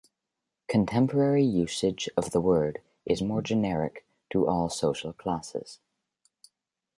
Contemporary usage of the word is more generic to all social classes.